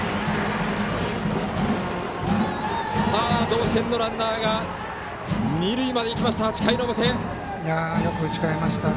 同点のランナーが二塁まで行きました。